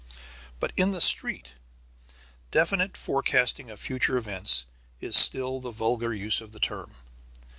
But in the street, definite forecasting of future events is still the vulgar use of the term.